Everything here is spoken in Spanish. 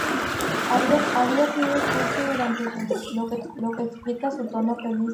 Había sido escrito durante su embarazo, lo que explica su tono feliz.